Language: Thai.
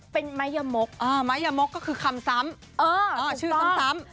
เป็นมัยยะมกอ่ามัยยะมกก็คือคำซ้ำชื่อซ้ำเออถูกต้อง